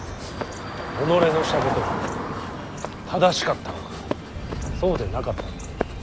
己のしたことが正しかったのかそうでなかったのか。